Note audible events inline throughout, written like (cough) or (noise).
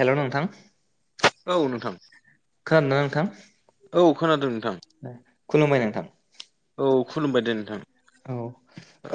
हेल' नोंथां औ नोंथां खोनादोना नोंथां औ खोनादों नोंथां खुलुमबाय नोंथां औ खुलुमबाय दे नोंथां औ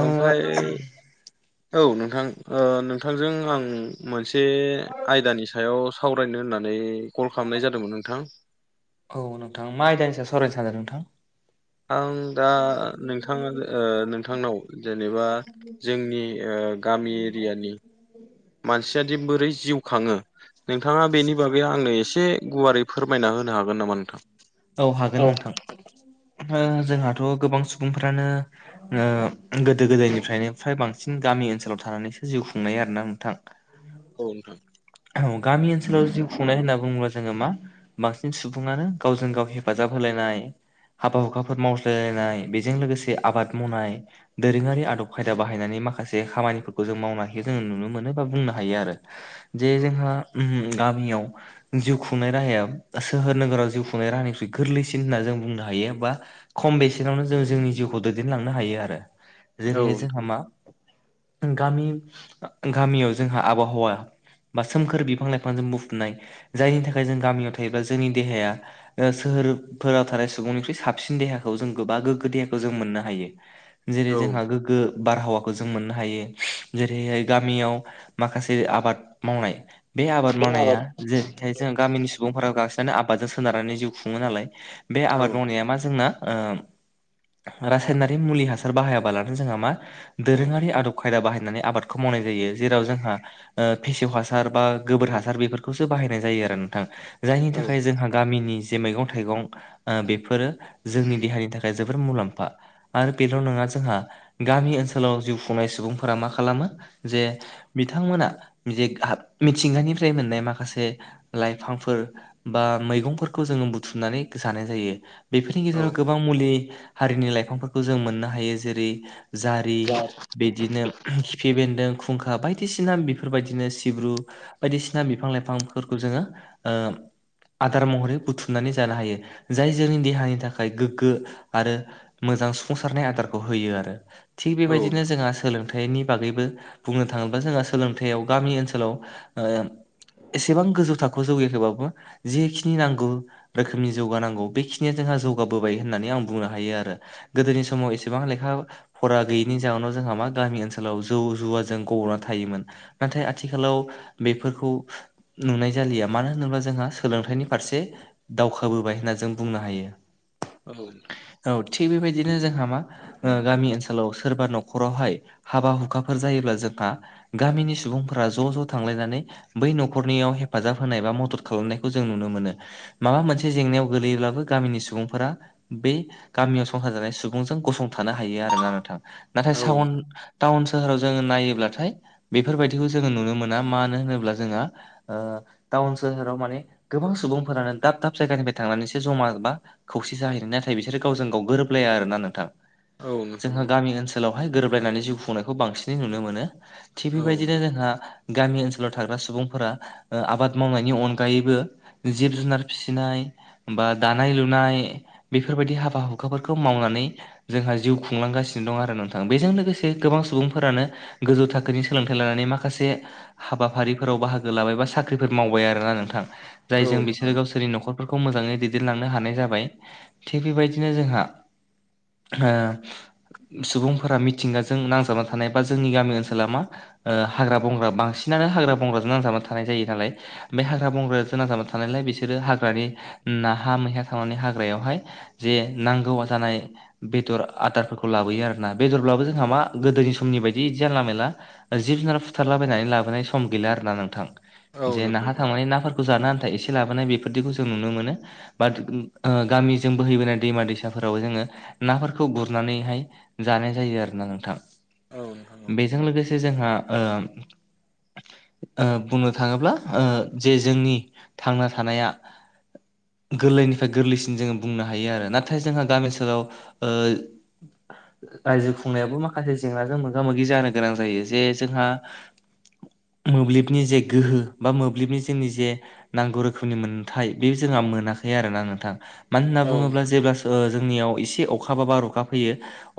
ओ ओमफ्राय औ नोंथां ओ नोंथांजों आं मोनसे आयदानि सायाव सावरायनो होननानै कल खालामनाय जादोंमोन नोंथां। औ नोंथां मा आयदानि सायाव सावरायनो सानदों नोंथां? आं दा नोंथाङा ओ नोंथांनाव जेनेबा जोंनि ओ म मानसिया दि बोरै जिउ खाङो नोंथाङा बेनि बागै आंनो एसे गुवारै फोरमायना होनो हागोन नामा नोंथां हागोन औ नोंथां ओ जोंहाथ' गोबां सुबुंफ्रानो गोदो गोदायनिफ्रायनो फ्राय बांसिन गामि ओनसोलाव थानानैसो जिउ खुंनाय आरोना नोंथां औ नोंथां औ गामि ओनसोलाव जिउ खुंनाय होनना बुङोब्ला जोङो मा बांसिन सुबुङानो गावजों गाव हेफाजाब होलायनाय हाबा हुखाफोर मावज्लायलायनाय बेजों लोगोसे आबाद मावनाय दोरोङारि आदब खायदा बाहायनानै माखासे खामानिफोरखौ जों मावनो हायो जोंङ नुनो मोनो बा बुंनो हायो आरो (inaudible) जे जोंहा गामियाव जिउ खुंनाय राहाया सोहोर नोगोराव जिउ खुंनाय राहानिख्रुइ गोरलैसिन होननानै जों बुंनो हायो बा खम बेसेनावनो जों जोंनि जिउखौ दैदेनलांनो हायो आरो औ जेरैहाय नोंथां जोंहा मा गामि गामियाव जोंहा आबहावा बा सोमखोर बिफां लाइफ बिफांजों बुफुनाय जायनि थाखाय जों गामियाव थायोब्ला जोंनि देहाया सोहोरफोराव थानाय सुबुंनिख्रुइ साबसिन देहाखौ जों गोबा गोग्गो देहाखौ जों मोननो हायो जेरै औ जोंहा नोंथां गोग्गो बारहावाखौ जों मोननो हायो जेरैहाय गामियाव माखासे आबाद मावनाय बे आबाद आबाद मावनाया जेरैहाय जों गामिनि सुबुंफोरा गाखसिनानै आबादजों सोनारनानै जिउ खुङो नालाय बे औ आबाद नोंथां मावनाया मा जोंना ओम रासायनारि मुलि हासार बाहायाबालानो जोंहा मा दोरोङारि आदब खायदा बाहायनानै आबादखौ मावनाय जायो जेराव जोंहा ओ फेसेव हासार बा गोबोर हासार हासार बेफोरखौसो बाहायनाय जायो आरो नोंथां जायनि औ थाखाय जोंहा गामिनि जे मैगं थाइगं ओ बेफोरो जोंनि देहानि थाखाय जोबोर मुलाम्फा आरो बेल' नङा जोंहा गामि ओनसोलाव जिउ खुंनाय सुबुंफोरा मा खालामो जे बिथांमोना जे मिथिंगानिफ्राय मोननाय माखासे लाइफांफोर बा मैगंफोरखौ जोङो बुथुमनानै जानाय जायो बेफोरनि औ गेजेराव गोबां मुलि हारिनि लाइफांफोरखौ जों मोननो हायो जेरै जारि बिदिनो खिफि बेन्दों खुंखा बायदिसिना बेफोरबायदिनो सिब्रु बायदिसिना बिफां लाइफांफोरखौ जोङो आदार महरै बुथुमनानै जानो हायो जाय जोंनि देहानि थाखाय गोग्गो आरो मोजां सुफुंसारनाय आदारखौ होयो आरो थिग औ बेबायदिनो नोंथां जोंहा सोलोंथाइ थाइनि बागैबो बुंनो थाङोबा जोंहा सोलोंथाइयाव गामि ओनसोलाव एसेबां गोजौ थाखोआव जौगायाखोबाबो जेखिनि नांगौ रोखोमनि जौगानांगौ बेखिनिया जोंहा जौगाबोबाय होननानै आं बुंनो हायो आरो गोदोनि समाव एसेबां लेखा फरा गैयिनि जाहोननाव जोंहा मा गामि ओनसोलाव जौ जुवाजों गब'ना थायोमोन नाथाय आथिखालाव बेफोरखौ नुनाय जालिया मानो होनोब्ला जोंहा सोलोंथाइनि फारसे दावखाबोबाय होनना जों बुंनो हायो (unintelligible) औ थिग बेबायदिनो जोंहा मा ओ गामि ओनसोलाव सोरबा न'खरावहाय हाबा हुखाफोर जायोब्ला जोंहा गामिनि सुबुंफोरा ज' ज' थांलायनानै बै न'खरनियाव हेफाजाब होनाय बा मदद खालामनायखौ जों नुनो मोनो माबा मोनसे जेंनायाव गोगलैयोब्लाबो गामिनि सुबुंफोरा बे गामियाव संसार जानाय सुबुंजों गसंथानो हायो आरो ना नोंथां नाथाय औ औ साउन टाउन सोहोराव जोङो नायोब्लाथाय बेफोरबायदिखौ जोङो नुनो मो ना मानो होनोब्ला जोंहा ओ टाउन सोहोराव माने गोबां सुबुंफोरानो दाब दाब जायगानिफ्राय थांनानैसो जमा बा खौसे जाहैयो नाथाय बिसोरो गावजों गाव गोरोबलाया आरोना नोंथां औ नोंथां जोंहा गामि ओनसोलावहाय गोरोबलायनानै जिउ खुंनायखौ बांसिनै नुनो मोनो थिग औ बेबायदिनो जोंहा गामि ओनसोलाव थाग्रा सुबुंफोरा ओ आबाद मावनायनि अनगायैबो जिब जुनार फिसिनाय बा दानाय लुनाय बेफोरबायदि हाबा हुखाफोरखौ मावनानै जोंहा जिउ खुंलांगासिनो दं आरो नोंथां बेजों लोगोसे गोबां सुबुंफोरानो गोजौ थाखोनि सोलोंथाइ लानानै माखासे हाबाफारिफोराव बाहागो लाबाय बा साख्रिफोर मावबाय आरो ना नोंथां औ जायजों बिसोरो नोंथां गावसोरनि न'खर फोरखौ मोजाङै दैदेनलांनो हानाय जाबाय थिग बेबायदिनो जोंहा ओ सुबुंफोरा मिथिंगाजों नांजाबना थानाय बा जोंनि गामि ओनसोला मा ओ हाग्रा बंग्रा बांस सिनानो हाग्रा बंग्राजों नांजाबनानै थानाय जायो नालाय बे हाग्रा बंग्र जोना नांजाबा थानायलाय बिसोरो हाग्रानि नाहा मैया थांनानै हाग्रायावहाय जे नांगौ जानाय बेदर आदारफोरखौ लाबोयो आरोना बेदरब्लाबो जोंहा मा गोदोनि समनि बायदि जानला मेनला जिब जुनार फुथारलाबायनानै लाबोनाय सम गैला आरो ना नोंथां औ जे नोंथां नाहा औ थांनानै नाफोर जानो आन्थाइ एसे लाबोनाय बेफोरदिखौ जों नुनो मोनो बा ओ गामिजों बोहैबोनाय दैमा दैसाफोराव जोङो नाफोरखौ गुरनानैहाय जानाय जायो आरोना नोंथां औ नोंथां बेजों लोगोसे जोंहा ओ ओ बुंनो थाङोब्ला ओ जे जोंनि थांना थानाया गोरलैनिफ्राय गोरलैसिन जोङो बुंनो हायो आरो नाथाय जोंहा गामि ओनसोलाव ओ रायजो खुंनायावबो माखासे जेंनाजों मोगा मोगि जानो गोनां जायो जे जोंहा मोब्लिबनि जे गोहो बा मोब्लिबनि जोंनि जे नांगौ रोखोमनि मोनथाय बे जोंहा मोनाखै आरोना नोंथां मानो होनना बुङोब्ला जेब्ला ओ जोंनियाव एसे अखााबा बार अखा फैयो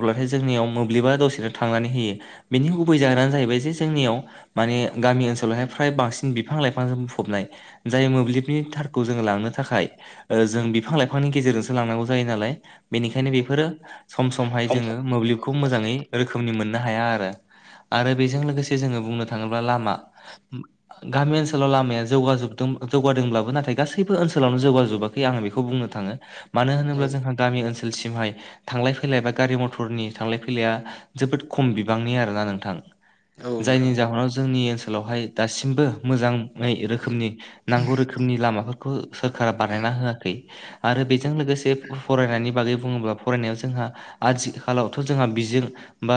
अब्लाथाय जोंनियाव मोब्लिबा दसेनो थांनानै होयो बेनि गुबै जाहोनानो जाहैबाय जे जोंनियाव माने गामि ओनसोलावहाय फ्राय बांसिन बिफां लाइफांजों बुंफबनाय जाय मोब्लिबनि थारखौ जोङो लांनो थाखाय ओ जों बिफां लाइफांनि गेजेरजोंसो लांनांगौ जायो नालाय बेनिखायनो औ बेफोरो सम समहाय जोङो मोब्लिब खौ मोजाङै रोखोमनि मोननो हाया आरो आरो बेजों लोगोसे जोङो बुंनो थाङोब्ला लामा गामि ओनसोलाव लामाया जौगाजोबदों जौगादोंब्लाबो नाथाय गासैबो ओनसोलावनो जौगाजोबा (unintelligible) आं बेखौ बुंनो थाङो मानो होनोब्ला जोंहा गामि ओनसोलसिमहाय थांलाय फैलाय बा गारि मथरनि थांलाय फैलाया जोबोद खम बिबांनि आरोना नोंथां नोंथां जायनि जाहोनाव जोंनि ओनसोलावहाय दासिमबो मोजाङै रोखोमनि नांगौ रोखोमनि लामाफोरखौ सोरखारा बानायना होआखै आरो बेजों लोगोसे फरायनायनि बागै बुङोब्ला फरायनायाव जोंहा। आथिखालावथ' जोंहा बिजों बा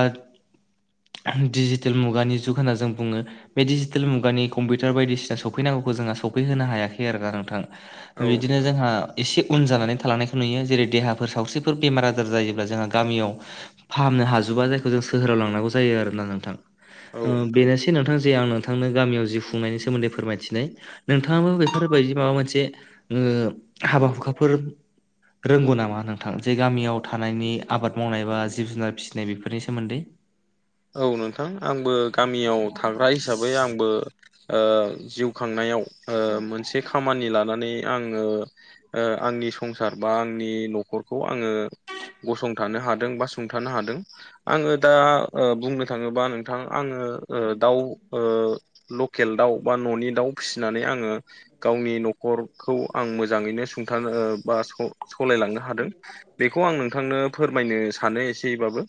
डिजिटेल मुगानि जुग होनना जों बुङो। बे डजिटेल मुगानि कम्पिउटार बायदिसिना सौफैनांगौखौ जोंहा सफैहोनो हायाखै आरो नोंथां औ नोंथां औ बिदिनो नोंथां जोंहा एसे उन जानानै थालांनायखौ नुयो जेरै देहाफोर सावस्रिफोर बेमार आजार जायोब्ला जोंहा गामियाव फाहामनो हाजोबा जायखौ जों सोहोराव लांनांगौ जायो आरोना नोंथां। औ ओ नोंथां बेनोसै नोंथां जे आं नोंथांनो गामियाव जिउ खुंनायनि सोमोन्दै फोरमायथिनाय नोंथाङाबो बेफोरबायदि माबा मोनसे ओ हाबा हुखाफोर रोंगौ नामा नोंथां जे गामियाव थानायनि आबाद मावनाय बा जिब जुनार फिसिनाय बेफोरनि सोमोन्दै। औ नोंथां आंबो गामियाव थाग्रा हिसाबै आंबो जिउ खांनायाव मोनसे खामानि लानानै आङो आंनि संसार बा आंनि न'खरखौ आङो गसंथानो हादों बा सुंथानो हादों आङो दा। बुंनो थाङोबा नोंथां आङो दाउ ओ लकेल दाउ बा न'नि दाउ फिसिनानै आङो। गावनि न'खरखौ आं मोजाङैनो सुंथानो बा सालायलांनो हादों। बेखौ आं नोंथांनो फोरमायनो सानो एसेबाबो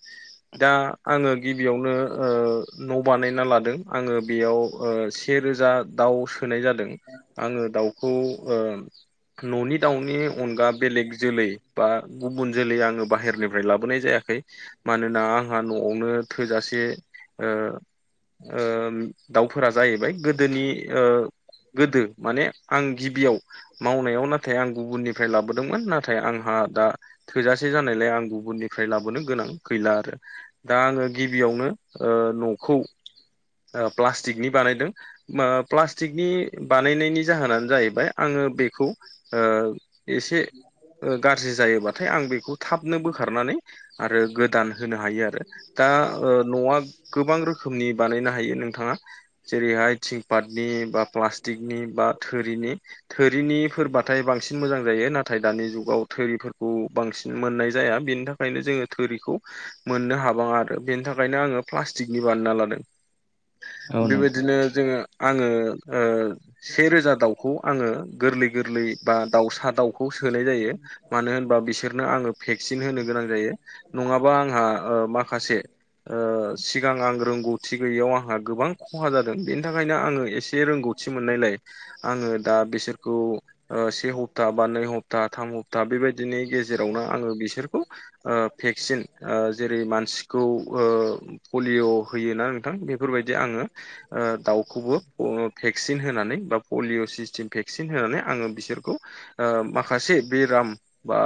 दा आङो गिबियावनो न' बानायना लादों आङो बेयाव सेेरोजा दाउ होनोनाय जादों आङो दाउखौ। ओ न'नि दाउनि अनगा बेलेग जोलै बा गुबुन जोलै आङो बाहेरनिफ्राय लाबोनाय जायाखै मानोना आंहा। न'आवनो थोजासे ओ दाउफोरा जाहैबाय गोदोनि गोदो माने आं गिबियाव। मावनायाव नाथाय आं गुबुननिफ्राय लाबोदोंमोन। नाथाय आंहा दा थोजासे जानायलाय आं गुबुननिफ्राय लाबोनो गोनां गैला आरो दा आङो गिबियावनो न'खौ प्लास्टिकनि बानायदों। प्लास्टिकनि बानायनायनि जाहोनानो जाहैबाय आङो बेखौ ओ एसे गा गाज्रि जायोबाथाय आं बेखौ थाबनो बोखारनानै आरो गोदान होनो हायो आरो दा न'आ गोबां रोखोमनि बानायनो हायो नोंथाङा। जेरैहाय थिंपाटनि बा प्लास्टिकनि बा थोरिनि थोरिनि फोरबाथाय बांसिन मोजां जायो नाथाय दानि जुगाव थोरिफोरखौ बांसिन मोननाय जाया बेनि थाखाय। यनो जोङो थोरिखौ मोननो हाब गोबां आरो बेनि थाखायनो आङो प्लास्टिकनि बानायना लादों औ नोंथां बेबायदिनो जोङो। आङो से रोजा दाउखौ आङो गोरलै गोरलै बा दाउसा दाउखौ सोनाय जायो। मानो होनबा बिसोरनो आङो भेक्सिन होनो गोनां जायो नङाबा आंहा माखासे ओ सिगां आं रोंगौथि गैयैयाव आंहा गोबां खहा जादों बेनि थाखायनो आङो एसे एसे रोंगौथि मोननायलाय। आङो दा बिसोरखौ से हप्ता बा नै हप्ता थाम हप्ता बेबायदिनो। गेजेरावनो आङो बिसोरखौ भेक्सिन जेरै--मानसि ओ पलिअ होयोना बेफोरबायदि आङो दाउखौबो भेक्सिन होनानै बा पलिअ' सिस्टेम भेक्सिन होनानै आङो बिसोरखौ। माखासे बेराम बा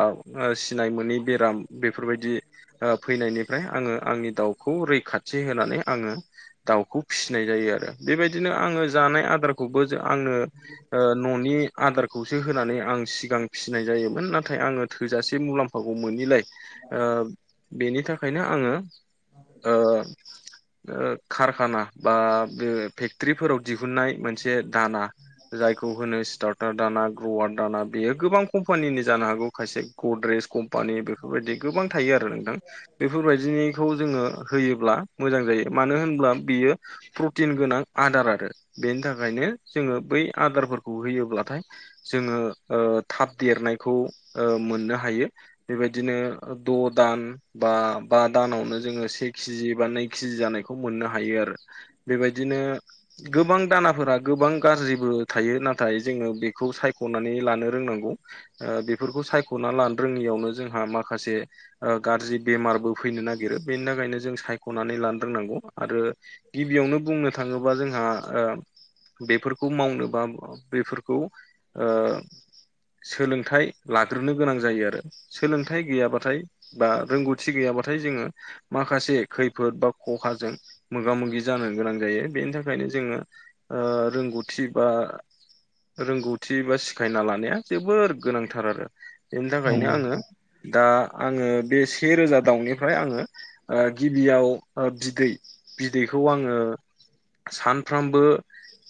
सिनाय मोनै बेराम बेफोरबायदि। फैनायनिफ्राय आङो आंनि दाउखौ रैखाथि होनानै आङो। दाउखौ फिसिनाय जायो आरो बेबायदिनो आङो जानाय आदार खौबो आंनो न'नि आधार खौसो होनानै आं सिगां फिसिनाय जायोमोन नाथाय आङो थोजासे मुलाम्फाखौ मोनैलाय ओ बेनि थाखायनो आङो। ओ ओ कारखाना बा बे फेक्ट्रिफोराव दिहुनन्नाय मोनसे दाना जाय खौ होनो स्टार्टार दाना ग्रवार दाना बेयो गोबां कम्पानिनि जानो हागौ खायसे गद्रेज क पानि बेफोरबायदि गोबां थायो आरो नोंथां (inaudible) बेफोरबायदिनि खौ जोङो होयोब्ला मोजां जायो। मानो होनब्ला बियो। प्रटिन गोनां आदार आरो बेनि थाखायनो जोङो बै आदारफोरखौ होयोब्लाथाय। जोङो ओ थाब देरनायखौ ओ मोननो हायो। बेबायदिनो द' दान बा बा दानावनो जोङो से केजि बा नै केजि जानायखौ मोननो हायो आरो। बेबायदिनो गोबां दानाफोरा गोबां गाज्रिबो थायो नाथाय जोङो बेखौ सायख'नानै लानो रोंनांगौ। ओ बेफोरखौ सायख'ना लानो रोङियावनो जोंहा माखासे ओ गाज्रि बेमारबो फैनो नागिरो बेनि थाखायनो जों सायख'नानै लानो रोंनांगौ आरो गिबियावनो बुंनो थाङो बा जोंहा। ओ बेफोरखौ मावनो बा बेफोरखौ ओ सोलोंथाइ लाग्रोनो गोनां जायो आरो। सोलोंथाइ गैयाबाथाय बा रोंगौथि गैयाबा थाय जोङो माखासे खैफोद बा खखाजों मोगा मोगि जानो गोनां जायो। बेनि थाखा खायनो जोङो ओ रोंगौथि बा रोंगौथि बा सिखायना लानाया जोबोर गोनांथार आरो। बेनि औ थाखायनो आङो दा आङो बे से' रोजा दाउनि फ्राय आङो ओ गिबियाव ओ बिदै बिदैखौ आङो सानफ्रामबो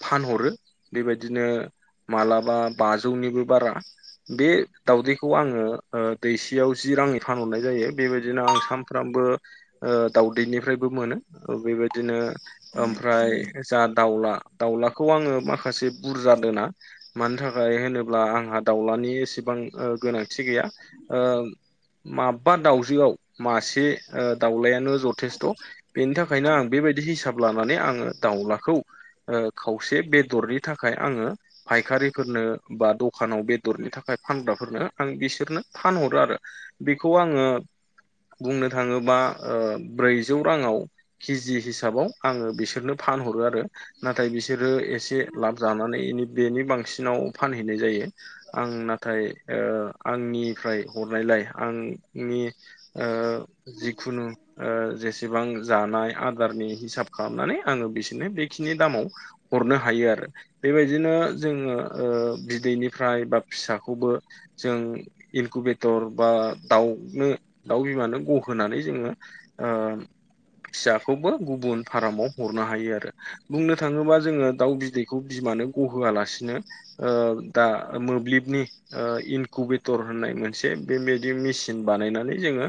फानहरो बेबायदिनो मालाबा बाजौनिबो बारा। बे दाउदैखौ आङो ओ दैसेयाव जि राङै फानहरनाय जायो। बेबायदिनो आं साम फ्रामबो ओ दाउदैनिफ्रायबो मोनो बेबायदिनो। ओमफ्राय जा दाउला दाउलाखौ आङो माखासे बुरजा दोना मानि थाखाय होनोब्ला आंहा दाउलानि एसेबां ओ गोनांथि गैया‌। ओ माबबा दाउजोआव मासे ओ दाउलायानो जथेस्थ' बेनि थाखायनो आं बेबाय हिसाब लानानै आङो दाउलाखौ ओ खावसे बेदरनि थाखाय आङो फायखारिफोरनो बा दखानाव बेदरनि थाखाय फानग्राफोरनो आं बिसोरनो फानहरो आरो। बेखौ आङो। बुंनो थाङोबा ओ ब्रैजौ राङाव केजि हिसाबाव आङो बिसोरनो फानहरो आरो। नाथाय बिसोरो एसे लाब जानानै इनि बेनि बांसिनाव फानहैनाय जायो। आं नाथाय ओ आंनिफ्राय हरनायलाय आं नि ओ जिखुनु ओ जेसेबां जानाय आदारनि हिसाब खालामनानै आङो। बिसोरनो बेखिनि दामाव हरनो हायो आरो। बेबायदिनो जोङो ओ बिदैनिफ्राय बा फिसाखौबो जों इकुबेटर बा दाउनो दाउ बिमानो गहोनानै जोङो। ओ फिसाखौबो गुबुन फारमाव हरनो हायो आरो। बुंनो थाङोबा जोङो दाउ बिदै खौ बिमानो गहोआलासिनो ओ दा मोब्लिबनि ओ‌ इनकुबेटर होननाय मोनसे बेमेदि मेसिन बानायनानै जोङो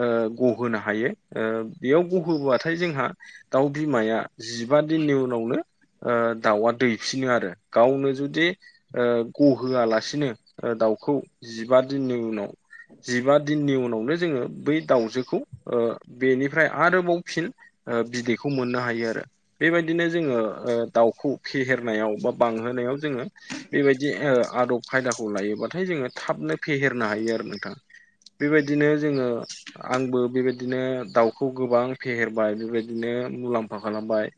ओ गहोनो हायो। ओ बेयाव गहोबबाथाय जोंहा दाउ बिमाया जिबा दिननि उनावनो ओ दाउआ दैफिनो आरो गावनो जुदि ओ गहोआलासिनो दाउखौ जिबा दिननि उनाव जिबा दिननि उन नो जोङो बै दाउजोखौ ओ बेनिफ्राय आरोबाव फिन ओ बिदैखौ मोननो हायो आरो। बेबायदिनो जोङो ओ दाउखौ फेहेरनायाव बा बांहोनायाव जोङो बेबायदि ओ आदब खायदाखौ लायोबाथाय जोङो थाबनो फेहेरनो हायो आरो नोंथां बेबायदिनो जोङो आंबो बेबायदिनो दाउखौ गोबां फेहेरबाय बेबायदिनो मुलाम्फा खालामबाय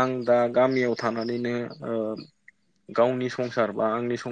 आं दा गामियाव थानानैनो ओ गावनि संसार बा आंनि सं